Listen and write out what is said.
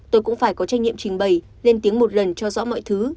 tôi cũng phải có trách nhiệm trình bày lên tiếng một lần cho rõ mọi thứ